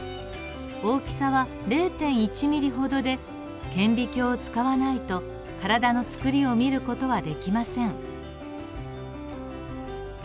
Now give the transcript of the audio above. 大きさは０．１ミリほどで顕微鏡を使わないと体のつくりを見る事はできません。